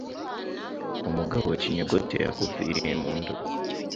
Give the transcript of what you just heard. Umugabo Kinyogote yakuviriye mu Ndorwa